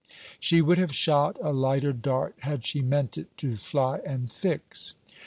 She would have shot a lighter dart, had she meant it to fly and fix.